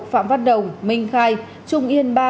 phạm văn đồng minh khai trung yên ba